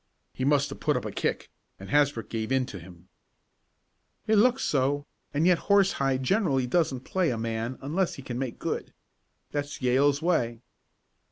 "He must have put up a kick, and Hasbrook gave in to him." "It looks so, and yet Horsehide generally doesn't play a man unless he can make good. That's Yale's way."